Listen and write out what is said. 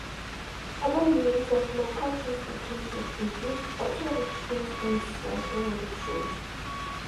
Other means of local transportation include auto rickshaws and cycle rickshaws.